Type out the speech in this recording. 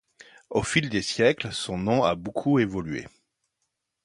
Au fil des siècles son nom a beaucoup évolué.